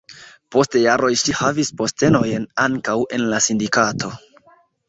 Post jaroj ŝi havis postenojn ankaŭ en la sindikato.